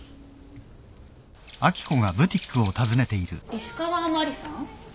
石川マリさん？